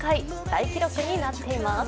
大記録になっています。